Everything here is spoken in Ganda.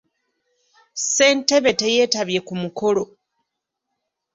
Ssentebe teyetabye ku mukolo.